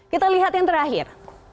kita lihat yang terakhir